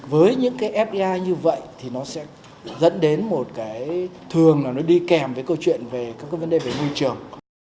với những cái fdi như vậy thì nó sẽ dẫn đến một cái thường là nó đi kèm với câu chuyện về các cái vấn đề về môi trường